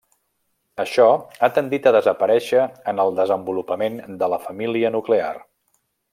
Això ha tendit a desaparèixer en el desenvolupament de la família nuclear.